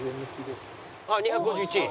あっ２５１。